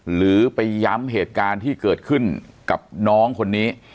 หรือไปย้ำเหตุการณ์ที่เกิดขึ้นกับน้องคนนี้